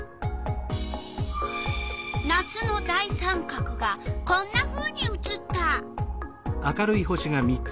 夏の大三角がこんなふうに写った！